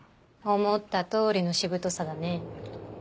思った通りのしぶとさだね。